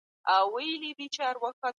فساد د ټولني د ویجاړۍ سبب ګرځي.